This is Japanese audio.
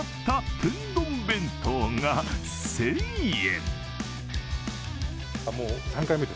天丼弁当が１０００円。